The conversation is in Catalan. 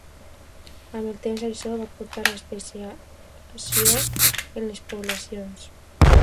Amb el temps això va portar a especiació en les poblacions.